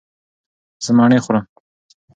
زه مڼې خورم